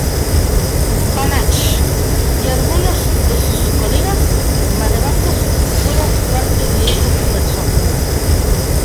Banach y algunos de sus colegas matemáticos fueron parte de esas personas.